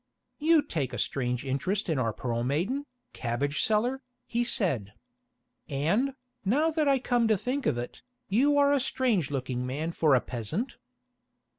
"You take a strange interest in our Pearl Maiden, Cabbage seller," he said. "And, now that I come to think of it, you are a strange looking man for a peasant."